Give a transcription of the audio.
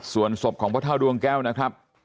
ส่วนศพของพระเท่าดวงแก้วนะครับ